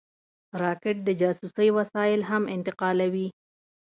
راکټ د جاسوسۍ وسایل هم انتقالوي